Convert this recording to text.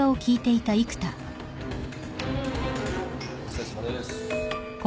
お疲れさまです。